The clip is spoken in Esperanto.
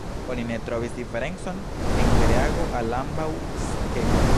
Oni ne trovis diferencon en reago al ambaŭ skemoj.